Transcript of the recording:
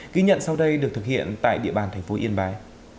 ghi nhận sau đây được thực hiện tại địa bàn tp yên bái